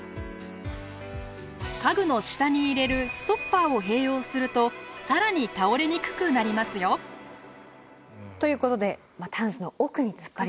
家具の下に入れるストッパーを併用すると更に倒れにくくなりますよ。ということでタンスの奥につっぱり棒。